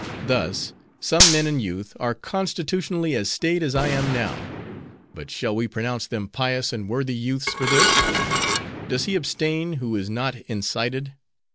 Thus, some men in youth are constitutionally as staid as I am now. But shall we pronounce them pious and worthy youths for this? Does he abstain, who is not incited?